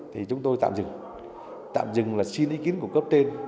thì chúng tôi tạm dừng tạm dừng là xin ý kiến của cơ